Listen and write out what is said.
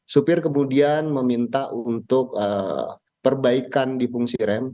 supir kemudian meminta untuk perbaikan di fungsi rem